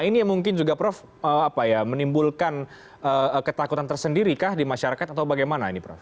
ini mungkin juga prof menimbulkan ketakutan tersendiri kah di masyarakat atau bagaimana ini prof